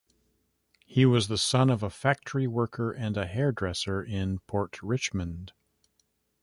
He was the son of a factory worker and a hairdresser in Port Richmond.